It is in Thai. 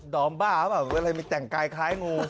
ดอมบ้ามีแต่งกายคล้ายงู